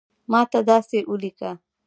ماته داسی اولیکه